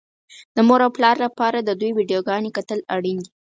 د مور او پلار لپاره د دې ويډيوګانو کتل اړين دي.